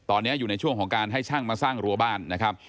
ตอนนี้อยู่ในช่วงของการให้ช่างมาสร้างรัวบ้านนะครับ